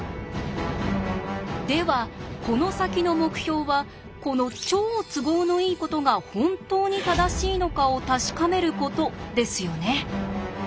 ではこの先の目標はこの超都合のいいことが本当に正しいのかを確かめることですよね。